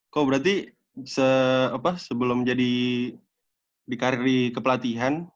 kok berarti sebelum jadi di karir kepelatihan